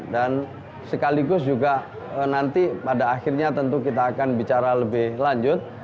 dan sekaligus juga nanti pada akhirnya tentu kita akan bicara lebih lanjut